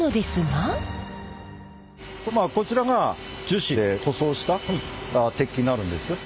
こちらが樹脂で塗装した鉄器になるんです。